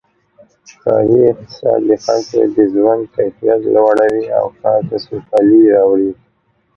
ښاري اقتصاد د خلکو د ژوند کیفیت لوړوي او ښار ته سوکالي راولي.